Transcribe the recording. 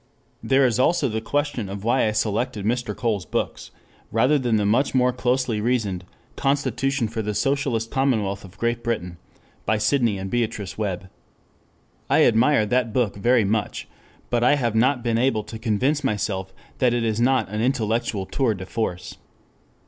There is also the question of why I selected Mr. Cole's books rather than the much more closely reasoned "Constitution for the Socialist Commonwealth of Great Britain" by Sidney and Beatrice Webb. I admire that book very much; but I have not been able to convince myself that it is not an intellectual tour de force.